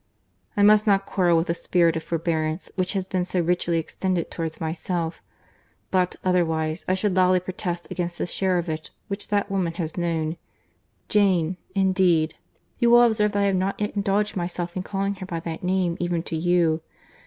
I must not quarrel with a spirit of forbearance which has been so richly extended towards myself; but, otherwise, I should loudly protest against the share of it which that woman has known.—'Jane,' indeed!—You will observe that I have not yet indulged myself in calling her by that name, even to you.